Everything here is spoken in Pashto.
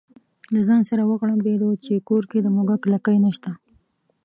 له ځانه سره وغړمبېده چې کور کې د موږک لکۍ نشته.